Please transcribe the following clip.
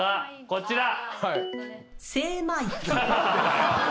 こちら。